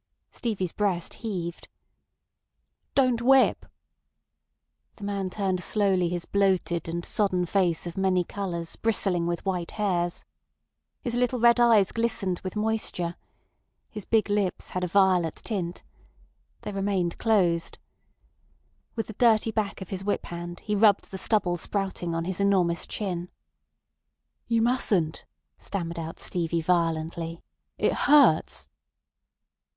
Stevie's breast heaved. "Don't whip." The man turned slowly his bloated and sodden face of many colours bristling with white hairs. His little red eyes glistened with moisture. His big lips had a violet tint. They remained closed. With the dirty back of his whip hand he rubbed the stubble sprouting on his enormous chin. "You mustn't," stammered out Stevie violently. "It hurts."